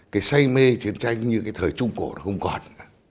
cái say mê chiến tranh như cái thời trung cổ nó không còn